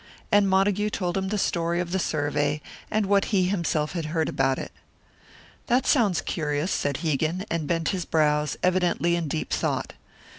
And Montague told him the story of the survey, and what he himself had heard about it. "That sounds curious," said Hegan, and bent his brows, evidently in deep thought.